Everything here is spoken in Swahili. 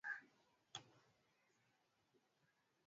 Usiimbe sifa mbele ya vita